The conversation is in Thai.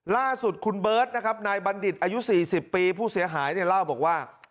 ล่าสุดคุณเบิร์ตนะครับนายบัณฑิตอายุ๔๐ปีผู้เสียหายเนี่ยเล่าบอกว่า